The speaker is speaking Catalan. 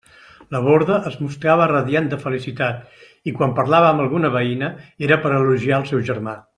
La Borda es mostrava radiant de felicitat, i quan parlava amb alguna veïna, era per a elogiar el seu germà.